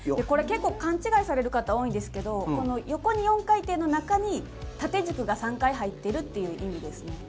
これ結構勘違いされる方が多いんですけど横の４回転の中に縦軸が３回入っているという意味ですね。